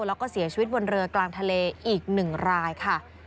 แล้วก็เสียชีวิตบนเรือกลางทะเลอีก๑รายค่ะ